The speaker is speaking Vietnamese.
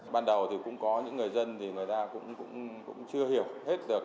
ban đầu thì cũng có những người dân thì người ta cũng chưa hiểu hết được